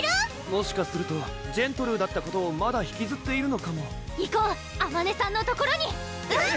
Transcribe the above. もしかするとジェントルーだったことをまだ引きずっているのかも行こうあまねさんの所にうん！